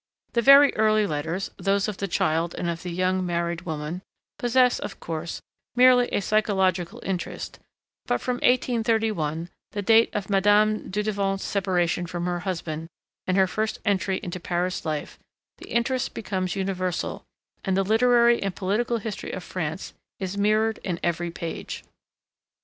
The very early letters, those of the child and of the young married woman, possess, of course, merely a psychological interest; but from 1831, the date of Madame Dudevant's separation from her husband and her first entry into Paris life, the interest becomes universal, and the literary and political history of France is mirrored in every page.